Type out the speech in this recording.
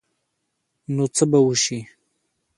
نو څه به وشي ؟